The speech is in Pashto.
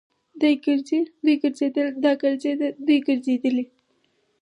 دی ګرځي. دوی ګرځيدل. دا ګرځيده. دوی ګرځېدلې.